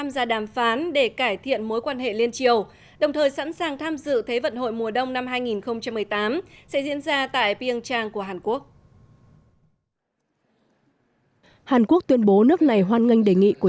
hai nghìn một mươi tám sẽ diễn ra tại biên trang của hàn quốc hàn quốc tuyên bố nước này hoan nghênh đề nghị của